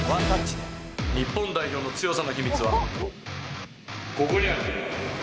日本代表の強さの秘密は、ここにある。